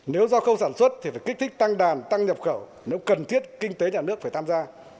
nếu do khâu sản xuất thì phải kích thích tăng đàn tăng nhập khẩu nếu cần thiết kinh tế nhà nước phải tham gia